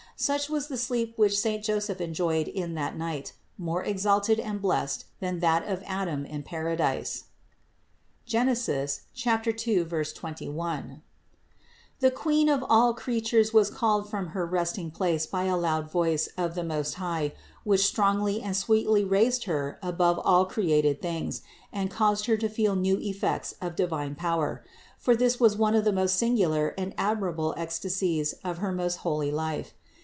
Such was the sleep which saint Joseph enjoyed in that night, more exalted and blessed than that of Adam in paradise (Gen. 21, 2). 473. The Queen of all creatures was called from her resting place by a loud voice of the Most High, which strongly and sweetly raised Her above all created things and caused Her to feel new effects of divine power; for this was one of the most singular and admirable ecstasies of her most holy life.